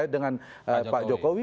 dengan pak jokowi